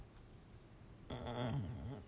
うん。